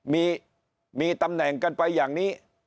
มีตำแหน่งกันไปอย่างนี้